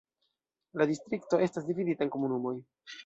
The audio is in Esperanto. La distrikto estas dividita en komunumoj.